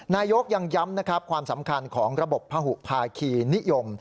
นายกยังย้ำนะครับความสำคัญของระบบพหุภาคีนิยม